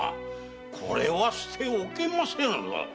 これは捨ておけませぬぞ